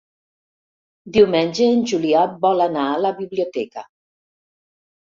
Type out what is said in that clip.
Diumenge en Julià vol anar a la biblioteca.